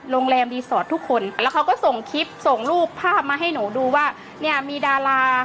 โรงแรมรีสอร์ททุกคนแล้วเขาก็ส่งคลิปส่งรูปภาพมาให้หนูดูว่าเนี่ยมีดารา